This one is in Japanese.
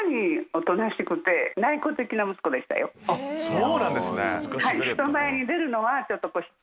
そうなんですね！